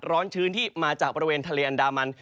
ชื้นที่มาจากบริเวณทะเลอันดามัน